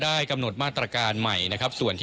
นี้ก็มีวิจัย